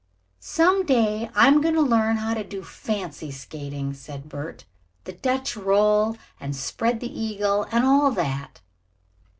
"Some day I am going to learn how to do fancy skating," said Bert. "The Dutch roll, and spread the eagle, and all that."